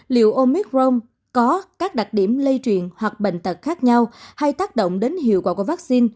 liệu omicron có các đặc điểm lây truyền hoặc bệnh tật khác nhau hay tác động đến hiệu quả của vaccine